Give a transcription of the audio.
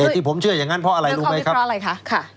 ที่ผมเชื่ออย่างนั้นเพราะอะไรรู้ไหมครับเพราะอะไรคะ